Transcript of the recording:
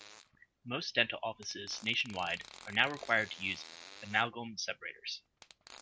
Most dental offices nationwide are now required to use amalgam separators.